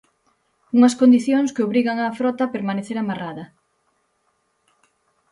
Unhas condicións que obrigan a frota a permanecer amarrada.